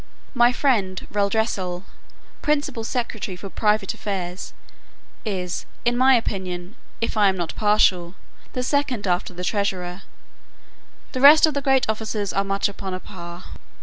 My friend Reldresal, principal secretary for private affairs, is, in my opinion, if I am not partial, the second after the treasurer; the rest of the great officers are much upon a par.